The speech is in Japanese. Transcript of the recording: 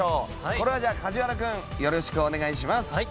これはじゃあ梶原君よろしくお願いします。